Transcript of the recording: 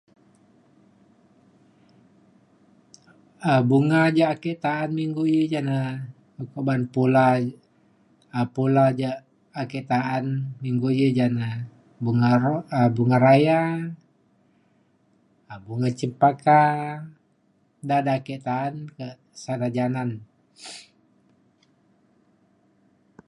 um bunga ja ake ta’an minggu ini ja na ukok ban pula um pula ja ake ta’an mingga ja ja bunga ro- um bunga raya um bunga cempaka da da ake ta’an kak sada janan